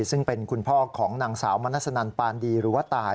ซึ่งเป็นคุณพ่อของนางสาวมณสนันปานดีหรือว่าตาย